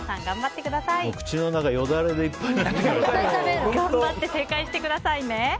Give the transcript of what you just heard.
頑張って正解してくださいね。